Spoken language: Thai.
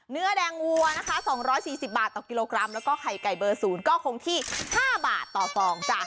เนื้อแดงวัวนะคะ๒๔๐บาทต่อกิโลกรัมแล้วก็ไข่ไก่เบอร์๐ก็คงที่๕บาทต่อฟองจ้ะ